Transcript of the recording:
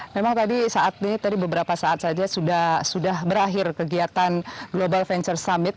memang tadi saat ini tadi beberapa saat saja sudah berakhir kegiatan global venture summit